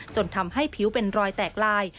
จนทำให้ผิวเป็นรอยแตกลาย